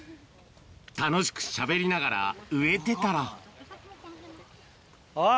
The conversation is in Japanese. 楽しくしゃべりながら植えてたらあっ